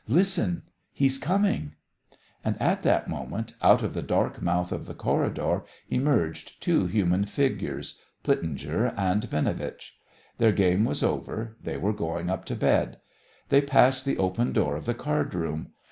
Listen! He's coming." And at that minute, out of the dark mouth of the corridor, emerged two human figures, Plitzinger and Binovitch. Their game was over: they were going up to bed. They passed the open door of the card room.